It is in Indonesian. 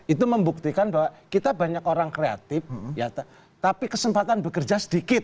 itu membuktikan bahwa kita banyak orang kreatif tapi kesempatan bekerja sedikit